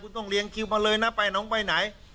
คุณต้องเรียงคิวมาเลยนะไปน้องไปไหน